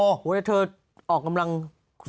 โอ้โหแต่เธอออกกำลังสุดมันเลย